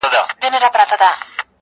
پخواني خلک قورمه په ډبرو کې پخوله.